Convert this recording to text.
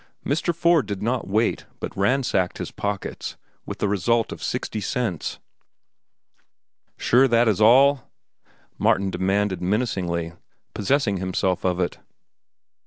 Mr. Ford did not wait, but ransacked his pockets, with the result of sixty cents. "Sure that is all?" Martin demanded menacingly, possessing himself of it.